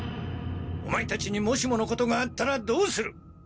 オマエたちにもしものことがあったらどうする！